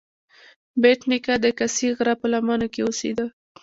بېټ نیکه د کسي غره په لمنو کې اوسیده.